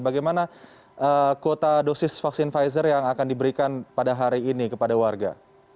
bagaimana kuota dosis vaksin pfizer yang akan diberikan pada hari ini kepada warga